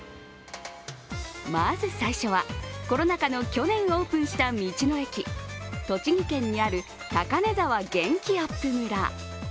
まず最初はコロナ禍の去年オープンした道の駅、栃木県にあるたかねざわ元気あっぷむら。